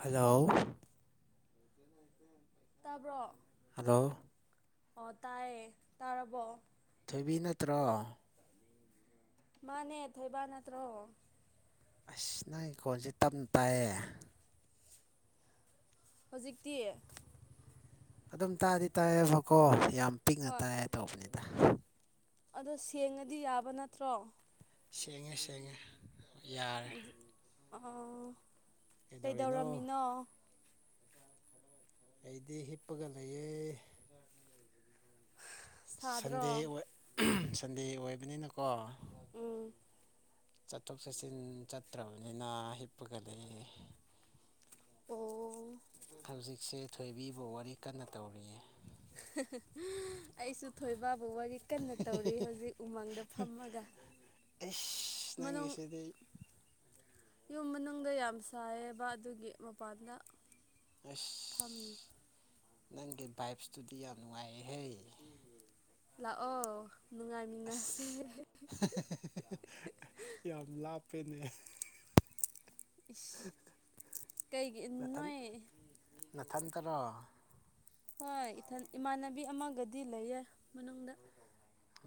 hello ꯇꯥꯕ꯭ꯔꯣ ꯑꯗꯣ ꯑꯣ ꯇꯥꯏꯌꯦ ꯇꯥꯔꯔꯕꯣ ꯊꯣꯏꯕꯤ ꯅꯠꯇ꯭ꯔꯣ ꯃꯥꯅꯦ ꯊꯣꯏꯕ ꯅꯠꯇ꯭ꯔꯣ ꯑꯁ ꯅꯪꯒꯤ ꯀꯣꯟꯁꯦ ꯇꯞꯅ ꯇꯥꯏꯌꯦ ꯍꯧꯖꯤꯛꯇꯤ ꯑꯗꯨꯝ ꯇꯥꯗꯤ ꯇꯥꯏꯌꯦꯕꯀꯣ ꯌꯥꯝ ꯄꯤꯛꯅ ꯍꯣꯏ ꯇꯥꯏ ꯇꯧꯕꯅꯤꯗ ꯑꯗꯣ ꯁꯦꯡꯉꯗꯤ ꯌꯥꯕ ꯅꯠꯇ꯭ꯔꯣ ꯁꯦꯡꯉꯦ ꯁꯦꯡꯉꯦ ꯌꯥꯔꯦ ꯑ ꯀꯩꯗꯧꯔꯤꯅꯣ ꯀꯩꯗꯧꯔꯝꯃꯤꯅꯣ ꯑꯩꯗꯤ ꯍꯤꯞꯄꯒ ꯂꯩꯑ ꯁꯥꯗ꯭ꯔꯣ ꯁꯟꯗꯦ ꯑꯣꯏ ꯁꯟꯗꯦ ꯑꯣꯏꯕꯅꯤꯅꯀꯣ ꯎꯝ ꯆꯠꯊꯣꯛ ꯆꯠꯁꯤꯟ ꯆꯠꯇ꯭ꯔꯕꯅꯤꯅ ꯍꯤꯞꯄꯒꯗꯤ ꯑꯣ ꯍꯧꯖꯤꯛꯁꯦ ꯊꯣꯏꯕꯤꯕꯨ ꯋꯥꯔꯤ ꯀꯟꯅ ꯇꯧꯔꯤꯌꯦ ꯑꯩꯁꯨ ꯊꯣꯏꯕ ꯕꯨ ꯋꯥꯔꯤ ꯀꯟꯅ ꯇꯧꯔꯤ ꯍꯧꯖꯤꯛ ꯎꯃꯪꯗ ꯐꯝꯃꯒ ꯏꯁ ꯃꯅꯨꯡ ꯅꯪꯦꯁꯦꯗꯤ ꯌꯨꯝ ꯃꯅꯨꯡꯗ ꯌꯥꯝ ꯁꯥꯏꯌꯦꯕ ꯑꯗꯨꯒꯤ ꯃꯄꯥꯟꯗ ꯐꯝꯃꯤ ꯑꯁ ꯅꯪꯒꯤ ꯚꯥꯏꯞ ꯏꯁꯇꯨꯗꯤ ꯌꯥꯝ ꯅꯨꯡꯉꯥꯏꯍꯦ ꯂꯥꯛꯑꯣ ꯅꯨꯡꯉꯥꯏꯃꯤꯟꯅꯁꯦ ꯑꯁ ꯐ ꯀꯩꯒꯤ ꯅꯣꯏ ꯃꯅꯥꯊꯟꯇꯔꯣ ꯍꯣꯏ ꯏꯊꯟ ꯏꯃꯥꯟꯅꯕꯤ ꯑꯃꯒꯗꯤ ꯂꯩꯌꯦ ꯃꯅꯨꯡꯗ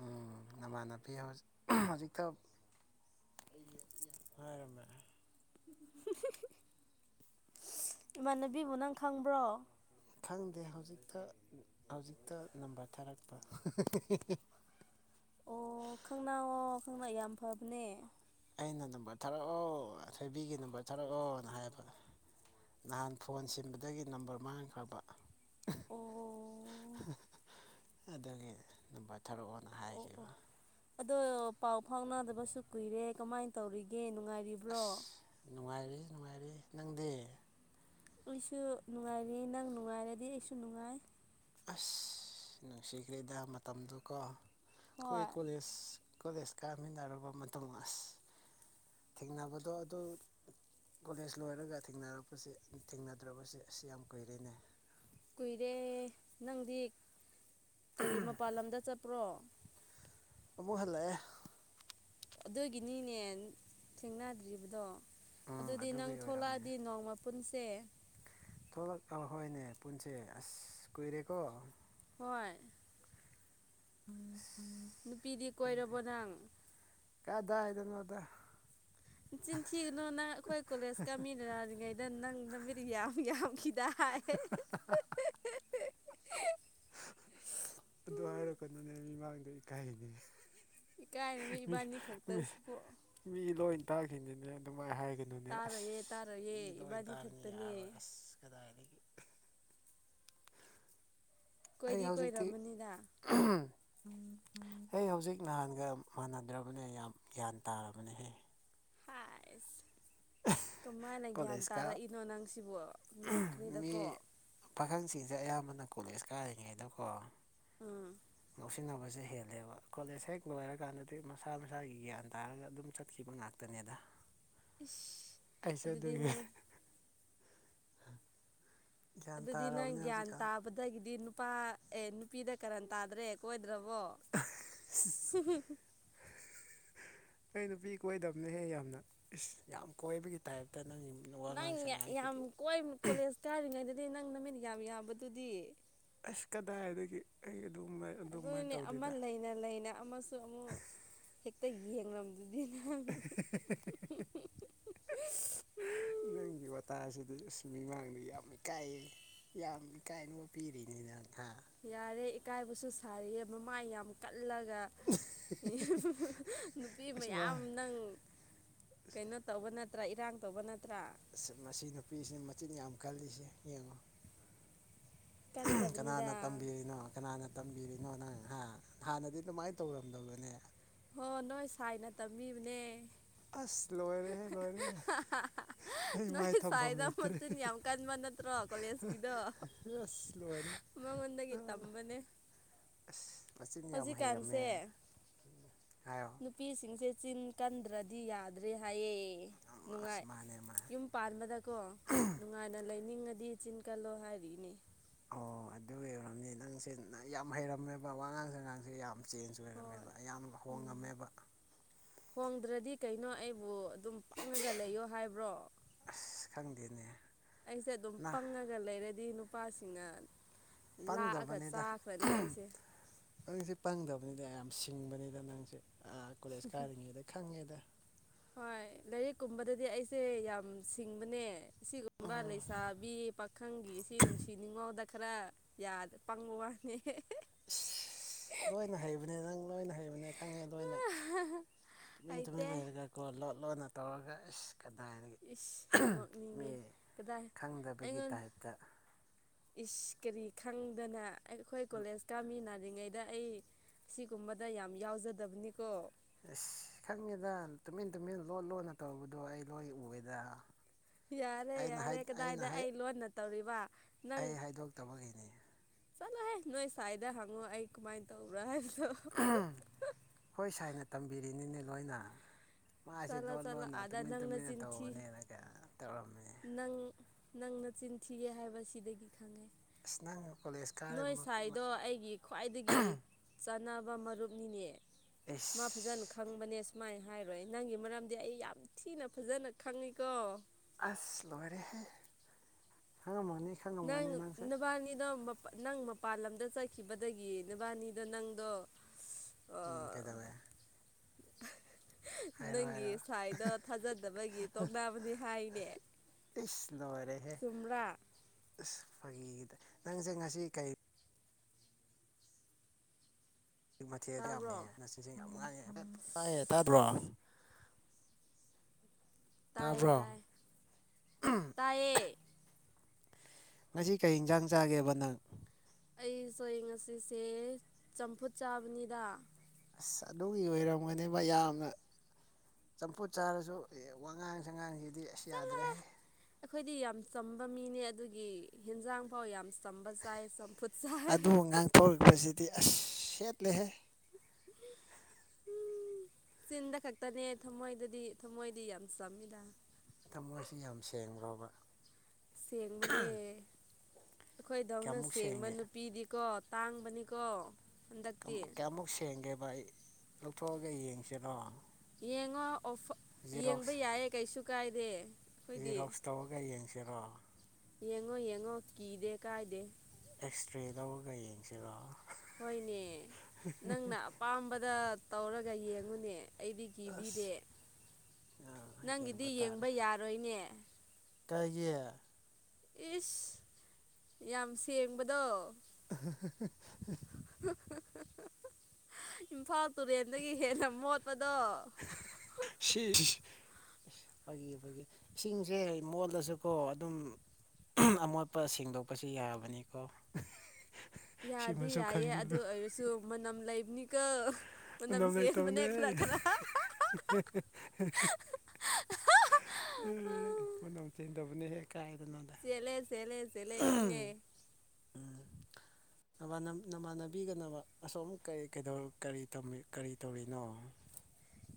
ꯎꯝ ꯅꯃꯥꯟꯅꯕꯤ ꯍꯧꯖꯤꯛꯇ ꯍꯥꯏꯔꯃꯦ ꯏꯃꯥꯟꯅꯕꯤꯕꯨ ꯅꯪ ꯈꯪꯕ꯭ꯔꯣ ꯈꯪꯗꯦ ꯍꯧꯖꯤꯛꯇ ꯍꯧꯖꯤꯛꯇ ꯅꯝꯕꯔ ꯊꯥꯔꯛꯄ [inaudible] ꯑꯣ ꯈꯅꯥ ꯑꯣ ꯀꯅꯥ ꯌꯥꯝ ꯐꯕꯅꯦ ꯑꯩꯅ ꯅꯝꯕꯔ ꯊꯥꯔꯛꯑꯣ ꯁꯣꯏꯕꯤꯒꯤ ꯅꯝꯕꯔ ꯊꯥꯔꯛꯑꯣꯅ ꯍꯥꯏꯌꯦꯕ ꯅꯍꯥꯟ ꯐꯣꯟ ꯁꯤꯟꯕꯗꯒꯤ ꯅꯝꯕꯔ ꯃꯥꯡꯈ꯭ꯔꯕ ꯑꯣ ꯑꯗꯨꯗꯒꯤ ꯊꯔꯛꯑꯣꯅ ꯑꯣ ꯑꯣ ꯍꯥꯏꯈꯤꯕ ꯑꯗꯣ ꯄꯥꯎ ꯐꯥꯎꯅꯗꯕꯁꯨ ꯀꯨꯏꯔꯦ ꯀꯃꯥꯏꯅ ꯇꯧꯔꯤꯒꯦ ꯅꯨꯡꯉꯥꯏꯔꯤꯕ꯭ꯔꯣ ꯑꯁ ꯅꯨꯡꯉꯥꯏꯔꯤ ꯅꯨꯡꯉꯥꯏꯔꯤ ꯅꯪꯗꯤ ꯑꯩꯁꯨ ꯅꯨꯡꯉꯥꯏꯔꯤ ꯅꯪ ꯅꯨꯡꯉꯥꯏꯔꯗꯤ ꯑꯩꯁꯨ ꯅꯨꯡꯉꯥꯏ ꯑꯁ ꯅꯨꯡꯁꯤꯈ꯭ꯔꯦꯗ ꯃꯇꯝꯗꯨ ꯀꯣ ꯑꯩꯈꯣꯏ ꯍꯣꯏ ꯀꯣꯂꯦꯖ ꯀꯣꯂꯦꯖ ꯀꯥꯃꯤꯟꯅꯔꯕ ꯃꯇꯨꯡ ꯑꯁ ꯊꯦꯡꯅꯕꯗꯣ ꯑꯗꯨ ꯀꯣꯂꯦꯖ ꯂꯣꯏꯔꯒ ꯊꯦꯡꯅꯔꯛꯄꯁꯤ ꯊꯦꯡꯅꯗ꯭ꯔꯕꯁ ꯑꯁꯤ ꯌꯥꯝ ꯀꯨꯏꯔꯤꯅꯦ ꯀꯨꯏꯔꯦ ꯅꯪꯗꯤ ꯀꯔꯤ ꯃꯄꯥꯟ ꯂꯝꯗ ꯆꯠꯄ꯭ꯔꯣ ꯑꯃꯨꯛ ꯍꯜꯂꯛꯑꯦ ꯑꯗꯨꯒꯤꯅꯤꯅꯦ ꯊꯦꯡꯅꯗ꯭ꯔꯤꯕꯗꯣ ꯎꯝ ꯑꯗꯨꯗꯤ ꯅꯪ ꯑꯗꯨꯒꯤ ꯑꯣꯏꯔꯝꯅꯦ ꯊꯂꯛꯑꯗꯤ ꯅꯣꯡ ꯃꯄꯨꯟꯁꯦ ꯊꯣꯛꯂꯛ ꯍꯣꯏꯅꯦ ꯄꯨꯟꯁꯦ ꯑꯁ ꯀꯨꯏꯔꯦꯀꯣ ꯍꯣꯏꯣꯏ ꯑꯁ ꯅꯨꯄꯤꯗꯤ ꯀꯣꯏꯔꯕꯣ ꯅꯪ ꯐꯗꯥ ꯍꯥꯏꯗꯅ ꯑꯣꯗ ꯆꯤꯟꯊꯤꯒꯅꯨ ꯅꯪ ꯑꯩꯈꯣꯏ ꯀꯣꯂꯦꯖꯀꯥꯃꯤꯅꯔꯤꯉꯩꯗ ꯅꯪ ꯅꯨ ꯃꯤꯠ ꯌꯥꯝ ꯌꯥꯝꯈꯤꯗ ꯥ [unintelligible] [unintelligible] ꯑꯗꯨ ꯍꯥꯏꯔꯛꯀꯅꯨꯅꯦ ꯃꯤꯃꯥꯡꯗ ꯏꯀꯥꯏꯅꯤ ꯏꯀꯥꯏꯅꯅ ꯏꯕꯥꯅꯤ ꯈꯛꯇꯁꯤꯕꯨ ꯃꯤ ꯂꯣꯏ ꯇꯥꯛꯈꯤꯁꯤꯅꯦ ꯑꯗꯨꯃꯥꯏ ꯍꯥꯏ ꯀꯩꯅꯣꯅꯦ ꯑꯁ ꯇꯥꯔꯣꯏꯌꯦ ꯇꯥꯔꯣꯏꯌꯦ ꯃꯤꯗꯣ ꯏꯕꯥꯅꯤ ꯑꯣꯏꯇꯥꯔꯅꯤ ꯈꯛꯇꯅꯦ ꯌꯥꯔꯔꯣꯏ ꯑꯁ ꯀꯗꯥꯏꯗꯒꯤ ꯑꯩ ꯀꯣꯏꯗꯤ ꯍꯧꯖꯤꯛꯇꯤ ꯀꯣꯏꯔꯝꯃꯅꯤꯗ ꯑꯩ ꯍꯧꯖꯤꯛ ꯅꯍꯥꯟ ꯁꯤꯒ ꯃꯥꯟꯅꯗ꯭ꯔꯕꯅꯦ ꯌꯥꯝ ꯒ꯭ꯌꯥꯟ ꯇꯥꯔꯕꯅꯦꯍꯦ ꯑꯁ ꯀꯃꯥꯏꯅ ꯒ꯭ꯌꯥꯟ ꯀꯣꯂꯦꯖꯀ ꯇꯥꯔꯛꯏꯅꯣ ꯅꯪ ꯁꯤꯕꯨ ꯉꯥꯛꯈ꯭ꯔꯦꯗꯀꯣ ꯁꯤꯦ ꯑꯌꯥꯝꯕꯅ ꯀꯣꯂꯦꯖ ꯀꯥꯔꯤꯉꯩꯗꯀꯣ ꯎꯝ ꯂꯧꯁꯤꯟꯅꯕꯁꯦ ꯍꯦꯜꯂꯦꯕ ꯀꯣꯂꯦꯖ ꯍꯦꯛ ꯂꯣꯏꯔꯀꯥꯟꯗꯗꯤ ꯃꯁꯥ ꯃꯁꯥꯒꯤ ꯒ꯭ꯌꯥꯟ ꯇꯥꯔꯒ ꯑꯗꯨꯝ ꯆꯠꯈꯤꯕ ꯉꯥꯛꯇꯅꯦꯗ ꯏꯁ ꯑꯩꯁꯨ ꯑꯗꯨꯗꯤ ꯑꯗꯨꯒꯤ ꯅꯪ ꯒ꯭ꯌꯥꯟ ꯑꯗꯨꯗꯤ ꯅꯪ ꯇꯥꯔꯕꯅꯦ ꯒ꯭ꯌꯥꯟ ꯍꯧꯖꯤꯛꯀꯥꯟ ꯇꯥꯕꯗꯒꯤꯗꯤ ꯅꯨꯄꯥ ꯑꯦ ꯅꯨꯄꯤꯗ ꯀꯅꯥꯝ ꯇꯥꯗ꯭ꯔꯦ ꯀꯣꯏ ꯗ꯭ꯔꯕ ꯑꯩ ꯅꯨꯄꯤ ꯀꯣꯏꯗꯕꯅꯍꯦ ꯌꯥꯝꯅ ꯏꯁ ꯌꯥꯝ ꯀꯣꯏꯕꯒꯤ ꯇꯥꯏꯞꯇ ꯅꯪꯒꯤ ꯋꯥꯉꯥꯡ ꯅꯪ ꯌꯥꯝ ꯁꯉꯥꯡꯁꯤꯗꯤ ꯀꯣꯏ ꯀꯣꯂꯦꯖ ꯀꯥꯏꯔꯤꯉꯩꯗꯗꯤ ꯅꯪꯅꯃꯤꯠ ꯌꯥꯝ ꯌꯥꯕꯗꯨꯗꯤ ꯑꯁ ꯀꯗꯥꯏꯗꯒꯤ ꯑꯩ ꯑꯗꯨꯃꯥꯏ ꯑꯗꯨꯃꯥꯏꯅ ꯑꯗꯨꯅꯦ ꯑꯃ ꯇꯧꯗꯦꯗ ꯂꯩꯅ ꯂꯩꯅ ꯑꯃꯁꯨ ꯑꯃꯨꯛ ꯍꯦꯛꯇ ꯌꯦꯡꯂꯡꯗ ꯑꯗꯨꯅ ꯎꯝ ꯑꯗꯩ ꯑꯁꯨ ꯃꯤꯃꯥꯡꯗ ꯌꯥꯝ ꯏꯀꯥꯏꯌꯦ ꯌꯥꯝ ꯏꯀꯥꯏꯅꯕ ꯄꯤꯔꯤꯅꯤꯅ ꯅꯍꯥꯟ ꯌꯥꯔꯦ ꯏꯀꯥꯏꯕꯁꯨ ꯁꯥꯔꯤꯌꯦ ꯃꯃꯥ ꯌꯥꯝ ꯀ ꯆꯠꯂꯒ ꯅꯨꯄꯤ ꯑꯁ ꯃꯌꯥꯝ ꯚꯥꯏ ꯅꯪ ꯀꯩꯅꯣ ꯇꯧꯕ ꯅꯠꯇ꯭ꯔꯥ ꯏꯔꯥꯡ ꯇꯧꯕ ꯅꯠꯇ꯭ꯔꯥ ꯃꯁꯤ ꯅꯨꯄꯤꯁꯤꯅ ꯃꯆꯤꯟꯠ ꯌꯥꯝ ꯀꯜꯂꯤꯁꯦ ꯌꯦꯡꯉꯣ ꯀꯟꯗꯕꯅꯤꯗ ꯀꯅꯥꯅ ꯇꯝꯕꯤꯔꯤꯅꯣ ꯀꯅꯥꯅ ꯇꯝꯕꯤꯔꯤꯅꯣ ꯅꯪ ꯍꯥ ꯍꯥꯟꯅꯗꯤ ꯑꯗꯨꯃꯥꯏꯅ ꯇꯧꯔꯝꯗꯕꯅꯦ ꯍꯣ ꯅꯣꯏ ꯁꯥꯏꯅ ꯇꯝꯕꯤꯕꯅꯦ ꯑꯁ ꯂꯣꯏꯔꯦꯍꯦ ꯂꯣꯏꯔꯦ ꯅꯣꯏ ꯁꯥꯏꯗ ꯃꯤꯟ ꯌꯥꯝ ꯀꯥꯟꯕ ꯅꯠꯇ꯭ꯔꯣ ꯀꯣꯂꯦꯖꯀꯤꯗꯣ ꯑꯁ ꯂꯣꯏꯔꯦ ꯃꯃꯃꯗꯗꯒꯤ ꯇꯝꯕꯅꯦ ꯑꯁ ꯃꯆꯤꯟ ꯌꯥꯝ ꯍꯩꯔꯝꯃꯦ ꯍꯧꯖꯤꯛꯀꯥꯟꯁꯦ ꯍꯥꯏꯌꯣ ꯅꯨꯄꯤꯁꯤꯡꯁꯦ ꯆꯤꯟ ꯀꯟꯗ꯭ꯔꯗꯤ ꯌꯥꯗ꯭ꯔꯦ ꯍꯥꯏꯌꯦ ꯑꯁ ꯅꯨꯡꯉꯥꯏ ꯃꯥꯅꯦ ꯃꯥꯅꯦ ꯌꯨꯝ ꯄꯥꯟꯕꯗꯀꯣ ꯅꯨꯡꯉꯥꯏꯅ ꯂꯩꯅꯤꯡꯉꯗꯤ ꯆꯤꯟꯀꯥꯜꯂꯣ ꯍꯥꯏꯔꯤꯅꯦ ꯑꯣ ꯑꯗꯨ ꯑꯣꯏꯔꯝꯅꯤ ꯅꯪꯁꯦ ꯌꯥꯝ ꯍꯩꯔꯝꯃꯦꯕ ꯋꯥꯉꯥꯡꯁꯦꯉꯥꯡꯁꯦ ꯌꯥꯝ ꯆꯦꯟꯖ ꯍꯣꯏ ꯑꯣꯏꯔꯝꯃꯦꯕ ꯌꯥꯝ ꯎꯝ ꯍꯣꯡꯉꯝꯃꯦꯕ ꯍꯣꯡꯗ꯭ꯔꯗꯤ ꯀꯩꯅꯣ ꯑꯩꯕꯨ ꯑꯗꯨꯝ ꯄꯪꯉꯒ ꯂꯩꯌꯣ ꯍꯥꯏꯕ꯭ꯔꯣ ꯑꯁ ꯈꯪꯗꯦꯅꯦ ꯑꯩꯁꯦ ꯑꯗꯨꯝ ꯅ ꯄꯪꯉꯒ ꯂꯩꯔꯗꯤ ꯅꯨꯄꯥꯁꯤꯡꯅ ꯂꯥꯛꯑꯒ ꯄꯪꯗꯕꯅꯤꯗ ꯆꯥꯈ꯭ꯔꯅꯤ ꯑꯩꯁꯦ ꯃꯔꯁꯤ ꯄꯪꯗꯕ ꯑꯗ ꯌꯥꯝ ꯁꯤꯡꯕꯅꯤꯗ ꯅꯪꯁꯦ ꯀꯣꯂꯦꯖ ꯀꯥꯔꯤꯉꯩꯗ ꯈꯪꯉꯦꯗ [unintelligible] ꯂꯥꯏꯔꯤꯛ ꯀꯨꯝꯕꯗꯗꯤ ꯑꯩꯁꯦ ꯌꯥꯝ ꯁꯤꯡꯕꯅꯦ ꯁꯤꯒꯨꯝꯕ ꯂꯩꯁꯥꯕꯤ ꯄꯥꯈꯪꯒꯤ ꯑꯩꯁꯤ ꯅꯨꯡꯁꯤ ꯅꯨꯡꯉꯥꯎꯗ ꯈꯔ ꯄꯪꯕ ꯋꯥꯅꯦ ꯑ ꯂꯣꯏꯅ ꯍꯩꯕꯅꯦ ꯅꯪ ꯂꯣꯏꯅ ꯍꯩ ꯀꯕꯅꯦ ꯈꯪꯉꯦ ꯑꯗꯨꯅ ꯇꯨꯃꯤꯟ ꯇꯨꯃꯤꯟ ꯍꯩꯇꯦ ꯂꯩꯔꯒ ꯀꯣ ꯂꯣꯠ ꯂꯣꯠꯅ ꯇꯧꯔꯒ ꯏꯁꯁ ꯀꯗꯥꯏꯗꯒꯤ ꯏꯁ ꯃꯤ ꯅꯣꯛꯅꯤꯡꯉꯦ ꯀꯗꯥꯏ ꯈꯪꯗꯕꯒꯤ ꯑꯩꯉꯣꯟ ꯇꯥꯏꯞꯇ ꯏꯁ ꯀꯔꯤ ꯈꯪꯗꯅ ꯑꯩꯈꯣꯏ ꯀꯣꯂꯦꯖꯀꯥꯃꯤꯅ ꯑꯔꯤꯉꯩꯗ ꯑꯩ ꯁꯤꯒꯨꯝꯕꯗ ꯌꯥꯝ ꯌꯥꯎꯖꯗꯕꯅꯤꯀꯣ ꯑꯁ ꯈꯪꯉꯦꯗ ꯇꯨꯃꯤꯟ ꯇꯨꯃꯤꯟ ꯂꯣꯟꯠ ꯂꯣꯟꯅ ꯇꯧꯕꯗꯣ ꯑꯩ ꯂꯣꯏ ꯎꯋꯦꯗ [unintelligible] ꯌꯥꯔꯦ ꯌꯥꯔꯦ ꯀꯗꯥꯏꯗ ꯑꯩ ꯂꯣꯟꯅ ꯇꯧꯔꯤꯕ ꯅꯪ ꯑꯩ ꯍꯥꯏꯗꯣꯛꯇꯕꯒꯤꯅꯤ ꯆꯠꯂꯣꯍꯦ ꯅꯣꯏ ꯁꯥꯏꯗ ꯍꯪꯉꯣ ꯑꯩ ꯀꯃꯥꯏꯅ ꯇꯧꯕ꯭ꯔꯥ ꯍꯥꯏ ꯍꯣꯏ ꯁꯥꯏꯅ ꯇꯝꯕꯤꯔꯤꯅꯤꯅꯦ ꯂꯣꯏꯅ ꯃꯥꯁꯦ ꯆꯠꯂꯣ ꯂꯣꯟ ꯆꯠꯂꯣ ꯂꯣꯟꯅ ꯑꯥꯗ ꯇꯨꯃꯤꯟ ꯅꯪ ꯇꯨꯃꯤꯟꯅ ꯅꯆꯤꯟ ꯊꯤ ꯇꯧꯕꯅꯦꯅ ꯀ ꯇꯧꯔꯝꯃꯤꯅꯦ ꯅꯪꯅ ꯆꯤꯟꯊꯤꯒ ꯍꯥꯏꯕꯁꯤꯗꯒꯤ ꯈꯪꯉꯦ ꯑꯁꯤꯅꯉꯨ ꯅꯣꯏ ꯁꯥꯏꯗꯣ ꯑꯩꯒꯤ ꯈ꯭ꯋꯥꯏꯗꯒꯤ ꯆꯥꯟꯅꯕ ꯃꯔꯨꯞꯅꯤꯅꯦ ꯃꯥ ꯐꯖꯅ ꯑꯦꯁ ꯈꯪꯕꯅꯦ ꯁꯨꯃꯥꯏꯅ ꯍꯥꯏꯔꯣꯏ ꯅꯪꯒꯤ ꯃꯔꯝꯗꯤ ꯑꯩ ꯌꯥꯝ ꯊꯤꯅ ꯐꯖꯅ ꯈꯪꯉꯤꯀꯣ ꯑꯁꯂ ꯔꯦ ꯅꯪ ꯅꯕꯥꯅꯤꯗ ꯅꯪ ꯃꯄꯥꯟ ꯂꯝꯗ ꯆꯠꯈꯤꯕꯗꯒꯤ ꯅꯨꯕꯥꯅꯤꯗꯣ ꯅꯪꯗꯣ ꯏꯀꯩꯗꯕꯦ [unintelligible] ꯅꯪꯒꯤ ꯁ꯭ꯋꯥꯏꯗ ꯊꯥꯖꯗꯕꯒꯤ ꯇꯣꯛꯅꯥꯕꯅꯤ ꯍꯥꯏꯅꯦ ꯏꯁ ꯂꯣꯏꯔꯦꯍꯦ ꯆꯨꯝꯔꯥ ꯑꯩ ꯅꯪꯁꯦ ꯉꯁꯤ ꯀꯩ ꯍꯧꯖꯤꯛ ꯃꯊꯦꯜꯁꯨ ꯇꯥꯕ꯭ꯔꯣ ꯌꯥꯝꯃꯦꯌꯦꯦꯅꯆꯤꯟꯁꯦ ꯌꯥꯝ ꯉꯥꯡꯉꯦ ꯍꯥꯏꯐꯦꯠ ꯇꯥꯏ ꯇꯥꯗ꯭ꯔꯣ ꯇꯥꯕ꯭ꯔꯣ ꯇꯦ ꯇꯥꯏ ꯇꯦ ꯉꯁꯤ ꯀꯩ ꯏꯟꯁꯥꯡ ꯆꯥꯒꯦꯕ ꯅꯪ ꯑꯩ ꯆꯔꯦꯡꯁꯤꯁꯦ ꯆꯝꯐꯨꯠ ꯆꯥꯕꯅꯤꯗ ꯑꯁ ꯑꯗꯨꯒꯤ ꯑꯣꯏꯔꯝꯒꯅꯦꯕ ꯌꯥꯝꯅ ꯆꯝꯐꯨꯠ ꯆꯥꯔꯁꯨ ꯋꯥꯉꯥꯡ ꯁꯉꯥꯡꯁꯤꯗꯤ ꯑꯁ ꯆꯠꯂꯦ ꯌꯥꯗ꯭ꯔꯦꯍ ꯑꯩꯈꯣꯏꯗꯤ ꯌꯥꯝ ꯆꯝꯕ ꯃꯤꯅꯦ ꯑꯗꯨꯒꯤ ꯍꯟꯖꯥꯡ ꯐꯥꯎ ꯌꯥꯝ ꯁꯝꯕꯁ ꯁꯄꯨꯠꯁꯥꯏ ꯑꯦꯠ ꯂꯩꯍꯦ ꯎ ꯆꯤꯟꯗ ꯈꯛꯇꯅꯦ ꯊꯝꯃꯣꯏꯗꯗꯤ ꯊꯝꯃꯣꯏꯗꯤ ꯌꯥꯝ ꯆꯝꯃꯤꯗ ꯊꯃꯣꯏꯁꯤ ꯌꯥꯝ ꯁꯦꯡꯕ꯭ꯔꯣꯕ ꯁꯦꯡꯕꯅꯦ ꯑꯩꯈꯣꯏꯗꯧꯅ ꯀꯌꯥꯃꯨꯛ ꯁꯦꯡꯕ ꯁꯦꯡꯒꯦ ꯅꯨꯄꯤꯗꯤꯀꯣ ꯇꯥꯡꯕꯅꯤꯀꯣ ꯍꯟꯗꯛꯇꯤ ꯀꯌꯥꯃꯨꯛ ꯁꯦꯡꯒꯦꯕ ꯑꯩ ꯂꯧꯊꯣꯛꯑꯒ ꯌꯦꯡꯁꯤꯅꯣ ꯌꯦꯡꯉꯣꯐ ꯌꯦꯡꯕ ꯌꯥꯏꯌꯦ ꯀꯩꯁꯨ ꯀꯥꯏꯗꯦ ꯑꯩꯈꯣꯏꯗꯤ ꯇꯔꯣ ꯌꯦꯡꯉꯣ ꯌꯦꯡꯉꯣ ꯀꯤꯗꯦ ꯀꯥꯏꯗꯦ ꯏꯁꯇꯔꯦ ꯂꯧꯔꯒ ꯌꯦꯡꯁꯤꯔꯣ ꯍꯣꯏꯅꯦ ꯅꯪꯅ ꯑꯄꯥꯝꯕꯗ ꯇꯧꯔꯒ ꯌꯦꯡꯉꯨꯅꯦ ꯑꯩꯗꯤ ꯀꯤꯕꯤꯔꯦ ꯑꯁ ꯅꯪꯒꯤꯗꯤ ꯌꯦꯡꯕ ꯌꯥꯔꯣꯏꯅꯦ ꯀꯩ ꯏꯁ ꯌꯥꯝ ꯁꯦꯡꯕꯗꯣ [inaudible] ꯏꯝꯐꯥꯜ ꯇꯨꯔꯦꯟꯗꯒꯤ ꯍꯦꯟꯅ ꯃꯣꯠꯄꯗꯣ ꯑꯁ ꯐꯒꯤ ꯐꯒꯤ ꯏꯁꯤꯡꯁꯦ ꯃꯣꯜꯗꯁꯨꯀꯣ ꯑꯗꯨꯝ ꯑꯃꯣꯠꯄ ꯁꯦꯡꯗꯣꯛꯄꯁꯨ ꯌꯥꯕꯅꯤꯀꯣ ꯌꯥꯗꯤ ꯁꯤꯃꯁꯨ ꯌꯥꯏꯌꯦ ꯑꯗꯨ ꯈꯪꯖꯤꯜꯂꯨ ꯑꯣꯏꯔꯁꯨ ꯃꯅꯝ ꯂꯩꯕꯅꯤꯒ ꯎꯥꯎ ꯂꯩꯇꯧꯅꯦ ꯎ ꯃ ꯅꯝ ꯆꯤꯟꯗꯕꯅꯦ ꯍꯦꯛ [inaudible] [unintelligible] ꯆꯦꯜꯂꯦ ꯆꯦꯜꯂꯦ ꯆꯦꯜꯂꯦ ꯈꯪꯉꯦ ꯅꯃꯥꯟꯅꯕꯤꯒꯅꯕ ꯑꯁꯣꯝ ꯀꯔꯤ ꯀꯔꯤ ꯀꯔꯤ ꯇꯧꯔꯤꯅꯣ [inaudible]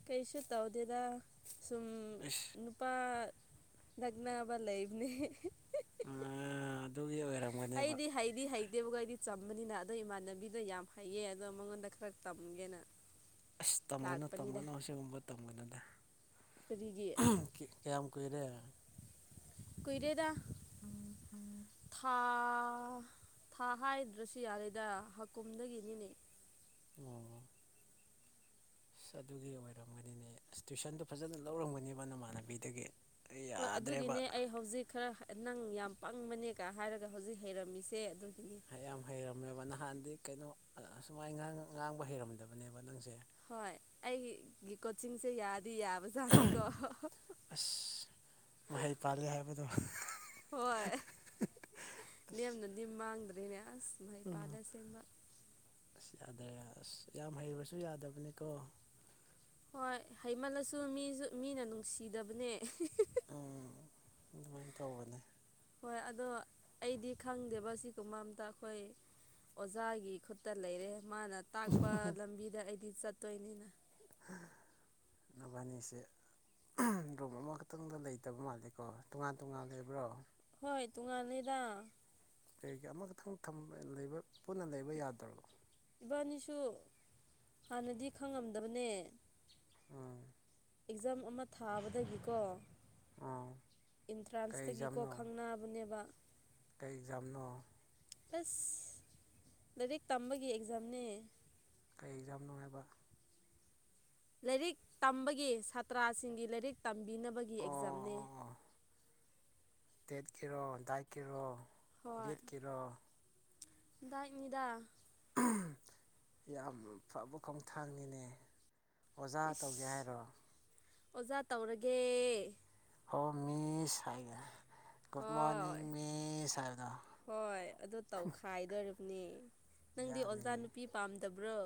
ꯀꯩꯁꯨ ꯇꯧꯗꯦꯗ ꯁꯨꯝ ꯏꯁ ꯅꯨꯄꯥ ꯂꯒꯅ ꯑꯕ ꯂꯩꯥꯏꯕꯅꯦ ꯑ ꯑꯗꯨ ꯑꯩꯗꯤ ꯍꯥꯏꯩꯗꯤ ꯍꯥꯏꯩꯗꯤꯒꯗꯤ ꯆ ꯑꯃꯅꯤꯅ ꯑꯗꯣ ꯏꯃꯥꯟꯅꯕꯤꯗ ꯌꯥꯝ ꯍꯩꯌꯦ ꯑꯗꯣ ꯃꯉꯣꯟꯗ ꯈꯔ ꯇꯝꯒꯦꯅ ꯑꯁ ꯇꯝꯒꯅꯨ ꯂꯥꯛꯄꯅꯤꯗ ꯇꯝꯒꯅꯨ ꯁꯤꯒꯨꯝꯕ ꯇꯝꯒꯅꯨꯗ ꯀꯔꯤꯒꯤ ꯀꯌꯥꯝ ꯀꯨꯏꯔꯦ ꯀꯨꯏꯔꯦꯗ ꯊꯥ ꯊꯥ ꯍꯥꯏꯗ꯭ꯔꯁꯨ ꯌꯥꯔꯦꯗ ꯍꯀꯨꯝꯗꯒꯤꯅꯤꯅꯦ ꯑꯣ ꯑꯁ ꯑꯗꯨꯒꯤ ꯑꯣꯏꯔꯝꯒꯅꯤꯅꯦ ꯑꯁ ꯇꯨꯏꯁꯟꯗꯨꯣ ꯐꯖꯅ ꯂꯧꯔꯝꯒꯅꯤꯕ ꯅꯃꯥꯟꯅꯕꯤꯗꯒꯤ ꯑꯩ ꯍꯣꯏ ꯌꯥꯗ꯭ꯔꯦꯕ ꯑꯗꯨꯒꯤꯅꯦ ꯑꯩ ꯍꯧꯖꯤꯛ ꯈꯔ ꯅꯪ ꯌꯥꯝ ꯄꯪꯕꯅꯦꯒ ꯍꯥꯏꯔꯒ ꯍꯧꯖꯤꯛ ꯍꯩꯔꯝꯃꯤꯁꯦ ꯑꯗꯨ ꯌꯥꯝ ꯍꯩꯔꯝꯃꯦꯕ ꯅꯍꯥꯟꯗꯤ ꯀꯩꯅꯣ ꯑꯨꯃꯥꯏꯅ ꯉꯥꯡꯕ ꯍꯩꯔꯝꯗꯕꯅꯦꯕ ꯅꯪꯁꯦ ꯍꯣꯏ ꯑꯩ ꯀꯣꯆꯤꯡꯁꯦ ꯌꯥ ꯗꯤ ꯌꯥꯕ ꯆꯅꯤꯀꯣ ꯑꯁ ꯃꯍꯩ ꯄꯥꯜꯂꯦ ꯍꯥꯏꯕꯗꯣ ꯍꯣꯏ ꯂꯦꯝꯅꯗꯤ ꯃꯥꯡꯗ ꯑꯗꯨꯅꯦ ꯎꯝ ꯑꯁ [unintelligible] ꯑꯁ ꯌꯥꯗ꯭ꯔꯦ ꯑꯁ ꯌꯥꯝ ꯍꯩꯕꯁꯨ ꯌꯥꯗꯕꯅꯤꯀꯣ ꯍꯣꯏ ꯍꯩꯃꯜꯂꯁꯨ ꯃꯤꯁꯨ ꯃꯤꯅ ꯅꯨꯡꯁꯤꯗꯕꯅꯦ ꯎꯝ ꯑꯗꯨꯃꯥꯏꯅ ꯇꯧꯕꯅꯦ ꯍꯣꯏ ꯑꯗꯣ ꯑꯩꯗꯤ ꯈꯪꯗꯦꯕ ꯁꯤꯒꯨꯝꯕ ꯑꯝꯇ ꯑꯩꯈꯣꯏ ꯑꯣꯖꯥꯒꯤ ꯈꯨꯠꯇ ꯂꯩꯔꯦ ꯃꯥꯅ ꯇꯥꯛꯄ ꯂꯝꯕꯤꯗ ꯑꯩꯗꯤ ꯆꯠꯇꯣꯏꯅꯤꯅ ꯃꯕꯥꯅꯤꯁꯦ ꯔꯨꯝ ꯑꯃꯈꯛꯇꯪꯗ ꯂꯩꯇꯕ ꯃꯥꯜꯂꯦꯀꯣ ꯇꯣꯉꯥꯟ ꯇꯣꯉꯥꯟ ꯂꯩꯕ꯭ꯔꯣ ꯍꯣꯏ ꯇꯨꯡꯉꯥꯟꯅꯤꯗ ꯀꯩꯒꯤ ꯑꯃꯈꯛꯇꯪ ꯄꯨꯟꯅ ꯂꯩꯕ ꯌꯥꯗ꯭ꯔꯕꯣ ꯁꯨ ꯍꯥꯟꯅꯗꯤ ꯈꯪꯉꯝꯗꯕꯅꯦ ꯑꯝ ꯑꯦꯛꯖꯥꯝ ꯑꯃ ꯊꯥꯕꯗꯒꯤꯀꯣ ꯑꯣ ꯑꯦꯟꯇ꯭ꯔꯥꯟꯁꯇꯒꯤꯀꯣ ꯈꯪꯅꯕꯅꯦꯕ ꯀꯇꯩ ꯑꯦꯛꯖꯥꯝꯅꯣ ꯑꯁ ꯂꯥꯏꯔꯤꯛ ꯇꯝꯕꯒꯤ ꯑꯦꯛꯖꯥꯝꯅꯦ ꯀꯔꯤ ꯑꯦꯛꯖꯥꯝ ꯅꯨꯡꯉꯥꯏꯕ ꯂꯥꯏꯔꯤꯛ ꯇꯝꯕꯒꯤ ꯁꯥꯇ꯭ꯔꯁꯤꯡꯒꯤ ꯂꯥꯏꯔꯤꯛ ꯇꯝꯕꯤꯅꯕꯒꯤ ꯑꯦꯛꯖꯥꯝꯅꯤ ꯇꯦꯠ ꯀꯔꯣ ꯗꯥꯏ ꯀꯔꯣ ꯕꯤꯠ ꯀꯔꯣ ꯥꯛ ꯌꯦꯗꯥ ꯌꯥꯝ ꯐꯕ ꯈꯣꯡꯊꯥꯡꯅꯤꯅꯦ ꯑꯣꯖꯥ ꯇꯧꯒꯦ ꯏꯁ ꯍꯥꯏꯔꯣ ꯑꯣꯖꯥ ꯇꯧꯔꯒꯦ ꯍ ꯃꯤꯁ ꯍꯥꯏꯒꯦ ꯒꯗ ꯃꯣꯔꯅꯤꯡꯅꯤꯡ ꯍꯣꯏ ꯃꯤ ꯁꯥꯕꯗ ꯅꯦ ꯅꯪꯗꯤ ꯑꯣꯖꯥ ꯅꯨꯄꯤ ꯄꯥꯝꯗꯕ꯭ꯔꯣ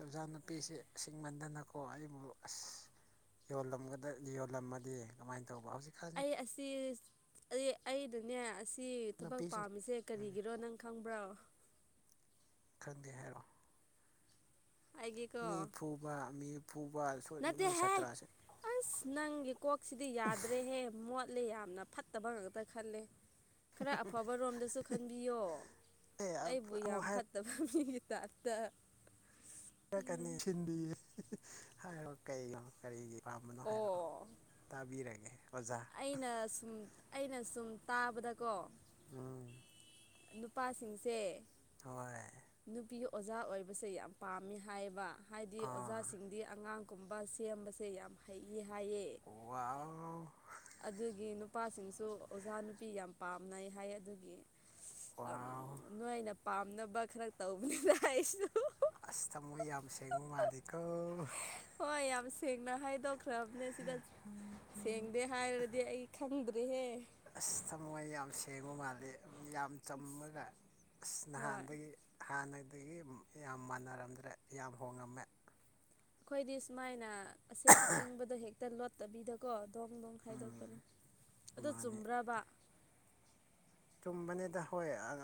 ꯆꯧꯖꯥꯟ ꯅꯨꯨꯄꯤꯁꯁꯤꯡꯃꯟꯗꯅꯀꯣ ꯑꯩꯕꯨ ꯑꯁ ꯌꯣꯜꯂꯝꯃꯗꯤ ꯀꯃꯥꯏꯅꯧ ꯑꯩ ꯑꯁꯤ ꯑꯩꯗꯅꯦ ꯁꯤ ꯊꯕꯛ ꯅꯨꯄꯤꯁꯤꯡ ꯄꯥꯝꯃꯤꯁꯦ ꯎꯝ ꯀꯔꯤꯒꯤꯔꯣ ꯅꯪ ꯈꯪꯕ꯭ꯔꯣ ꯈꯪꯗꯦ ꯍꯥꯏꯔꯣ ꯍꯥꯏꯒꯦꯀꯣ ꯃꯤ ꯐꯨꯕ ꯃꯤ ꯐꯨꯕ ꯅꯣꯏ ꯅꯠꯇꯦꯍꯦ ꯁꯥꯇ꯭ꯔꯥꯁꯦ ꯑꯁ ꯅꯪꯒꯤ ꯀꯣꯛꯁꯤꯗꯤ ꯌꯥꯗ꯭ꯔꯦꯍꯦ ꯃꯣꯠꯂꯦ ꯌꯥꯝꯅ ꯐꯠꯇꯕ ꯉꯥꯛꯇ ꯈꯜꯂꯦ ꯈꯔ ꯑꯐꯕ ꯔꯣꯝꯗꯁꯨ ꯈꯟꯕꯤꯌꯣ ꯑꯦ ꯑꯩꯕꯨ ꯑꯃꯨꯛ ꯌꯥꯝ ꯐꯠꯇꯕ ꯇꯇ [unintelligible] [inaudible] ꯍꯥꯏꯔꯛꯀꯅꯤ ꯁꯤꯟꯕꯤ ꯍꯥꯏꯔꯣ ꯀꯩꯅꯣ ꯀꯔꯤꯒꯤ ꯄꯥꯝꯕꯅꯣ ꯍꯥꯏꯔꯛꯣ ꯑꯣ ꯇꯥꯕꯤꯔꯒꯦ ꯑꯣꯖꯥ ꯑꯩꯅ ꯁꯨꯝ ꯑꯩꯅ ꯁꯨꯝ ꯇꯥꯕꯗꯀꯣ ꯎꯝ ꯅꯨꯄꯥꯁꯤꯡꯁꯦ ꯍꯣꯏ ꯅꯨꯄꯤ ꯑꯣꯖꯥ ꯑꯣꯏꯕꯁꯦ ꯌꯥꯝ ꯄꯥꯝꯃꯤ ꯍꯥꯏꯌꯦꯕ ꯍꯥꯏꯗꯤ ꯑꯥ ꯑꯣꯖꯥꯁꯤꯡꯗꯤ ꯑꯉꯥꯡ ꯒꯨꯝꯕ ꯁꯦꯝꯕꯁꯦ ꯌꯥꯝ ꯍꯩꯌꯦ ꯍꯥꯏꯌꯦ ꯋꯥꯎ ꯑꯗꯨꯒꯤ ꯅꯨꯄꯥꯁꯤꯡꯁꯨ ꯑꯣꯖꯥ ꯅꯨꯄꯤ ꯌꯥꯝ ꯄꯥꯝꯅꯩ ꯍꯥꯏ ꯑꯗꯨꯒꯤ ꯋꯥꯎ ꯅꯣꯏꯅ ꯄꯥꯝꯅꯕ ꯈꯔ ꯇꯧꯕꯅꯤꯅ ꯑꯩꯁꯨ ꯑꯁ ꯊꯃꯣꯏ ꯌꯥꯝ ꯁꯦꯡꯉꯨ ꯃꯥꯜꯂꯤꯀꯣ ꯍꯣꯏ ꯌꯥꯝ ꯁꯦꯡꯅ ꯍꯥꯏꯗꯣꯛꯈ꯭ꯔꯕꯅꯦ ꯁꯤꯗ ꯁꯦꯡꯗꯦ ꯍꯥꯏꯔꯗꯤ ꯑꯩ ꯈꯪꯗ꯭꯭ꯔꯔꯤꯍꯦ ꯑꯁ ꯊꯃꯣꯣꯏ ꯌꯥꯝ ꯁꯦꯡꯕ ꯃꯥꯜꯂꯤꯦ ꯌꯥꯝ ꯆꯝꯃꯒ ꯑꯁ ꯍꯣꯏ ꯅꯍꯥꯟꯗꯒꯤ ꯍꯥꯟꯅ ꯑꯗꯒꯤ ꯌꯥꯝ ꯃꯥꯟꯅꯔꯝꯗ꯭ꯔꯦ ꯌꯥꯝ ꯍꯣꯡꯉꯝꯃꯦ ꯑꯩꯈꯣꯏꯗꯤ ꯁꯨꯃꯥꯏꯅ ꯑꯁꯦꯡ ꯑꯁꯦꯡꯕꯗꯣ ꯍꯦꯛꯇ ꯂꯣꯠꯇꯕꯤꯗꯀꯣ ꯗꯣꯡ ꯗꯣꯡ ꯈꯥꯏꯗꯣꯛꯄꯅꯤ ꯑꯗꯨ ꯃꯥꯅꯦ ꯆꯨꯝꯕ꯭ꯔꯕ ꯀꯨꯝꯕꯅꯤꯗ ꯍꯣꯏ ꯑ